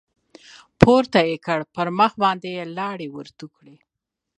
پورته يې كړ پر مخ باندې يې ناړې ورتو کړې.